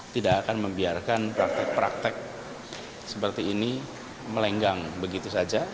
tidak akan membiarkan praktek praktek seperti ini melenggang begitu saja